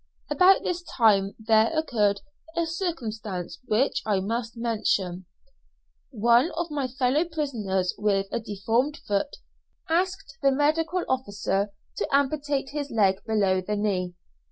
About this time there occurred a circumstance which I must mention: one of my fellow prisoners with a deformed foot, asked the medical officer to amputate his leg below the knee.